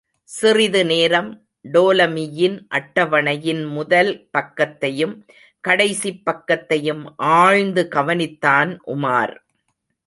சிறிது நேரம், டோலமியின் அட்டவணையின் முதல் பக்கத்தையும் கடைசிப் பக்கத்தையும் ஆழ்ந்து கவனித்தான் உமார்.